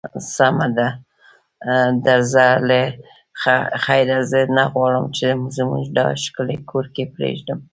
سمه ده، درځه له خیره، زه نه غواړم چې زموږ دا ښکلی کورګی پرېږدم.